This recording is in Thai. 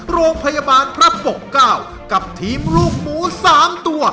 โรงพยาบาลพระปกเก้ากับทีมลูกหมู๓ตัว